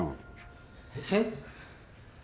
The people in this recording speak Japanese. えっ？